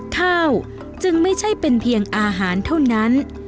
ข้าวจึงไม่ใช่เป็นเพียงอาหารเท่านั้น